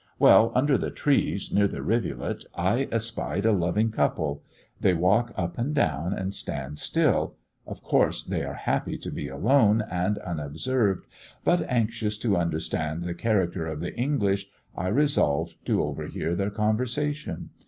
Well, under the trees, near the rivulet, I espied a loving couple they walk up and down, and stand still of course they are happy to be alone and unobserved. But anxious to understand the character of the English, I resolved to overhear their conversation.